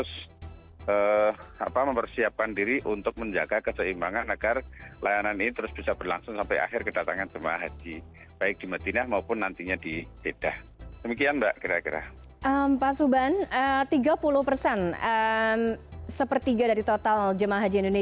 selain itu untuk layanan kesehatan tim kesehatan sudah membuka klinik kesehatan haji di madinah dengan perangkat para tenaga kesehatan dokter